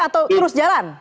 atau terus jalan